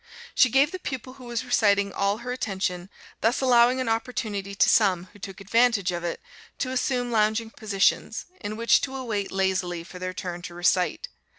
She gave the pupil who was reciting all her attention, thus allowing an opportunity to some (who took advantage of it) to assume lounging positions, in which to await lazily for their turn to recite.